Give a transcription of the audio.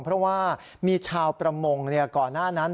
เพราะว่ามีชาวประมงก่อนหน้านั้น